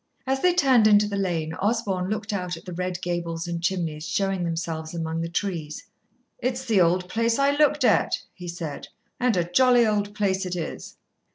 As they turned into the lane, Osborn looked out at the red gables and chimneys showing themselves among the trees. "It's the old place I looked at," he said, "and a jolly old place it is."